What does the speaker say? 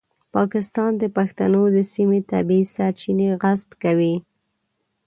پاکستان د پښتنو د سیمې طبیعي سرچینې غصب کوي.